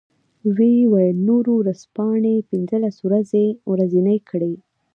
و یې ویل نورو ورځپاڼې پنځلس ورځنۍ کړې.